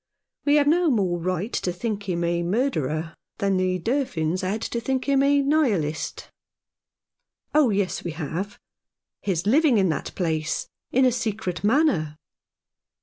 We have no more right to think him a murderer than the Durfins had to think him a Nihilist." " Oh yes, we have. His living in that place — in a secret manner."